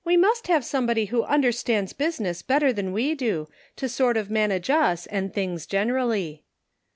must have somebody who understands business better than we do, to sort of manage us, and things generally."